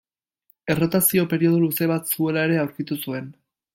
Errotazio periodo luze bat zuela ere aurkitu zen.